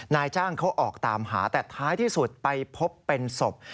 นายจ้างเขาออกตามหาแต่ท้ายที่สุดไปพบเป็นศพ